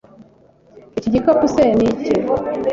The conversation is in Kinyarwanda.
Iki gikapu se ni icye?